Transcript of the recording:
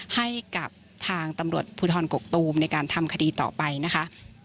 ให้กับทางตำรวจภูทรกกตูมในการทำคดีต่อไปนะคะ